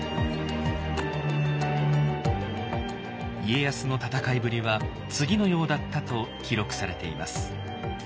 家康の戦いぶりは次のようだったと記録されています。